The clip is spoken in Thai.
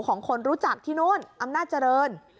ของคนรู้จักที่นู่นอำนาจเจริญ